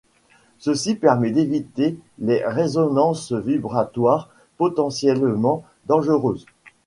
Ceci permet d'éviter les résonances vibratoires potentiellement dangereuses.